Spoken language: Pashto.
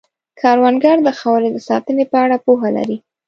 کروندګر د خاورې د ساتنې په اړه پوهه لري